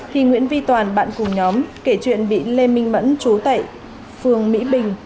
thì nguyễn vi toàn bạn cùng nhóm kể chuyện bị lê minh mẫn chú tại phường mỹ bình